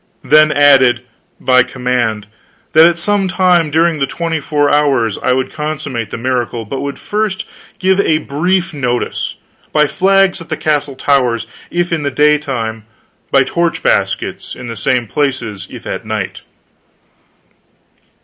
Then added, by command, that at some time during the twenty four hours I would consummate the miracle, but would first give a brief notice; by flags on the castle towers if in the daytime, by torch baskets in the same places if at night.